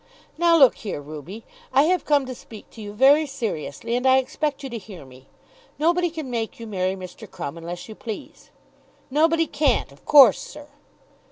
"Now look here, Ruby; I have come to speak to you very seriously, and I expect you to hear me. Nobody can make you marry Mr. Crumb, unless you please." "Nobody can't, of course, sir."